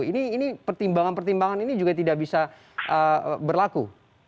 ini pertimbangan pertimbangan ini juga tidak bisa berlaku